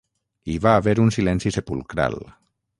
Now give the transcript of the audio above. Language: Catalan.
Hi va haver un silenci sepulcral.